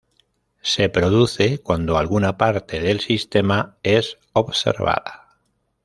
Se produce cuando alguna parte del sistema es observada.